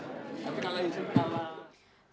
tapi kalau yusuf kala